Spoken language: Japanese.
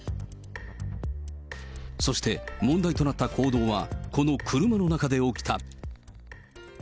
そして問題となった行動は、この車の中で起きた。